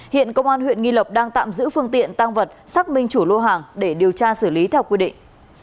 hiện công an huyện nghi lộc đang tạm giữ phương tiện tăng vật xác minh chủ lô hàng để điều tra xử lý theo quy định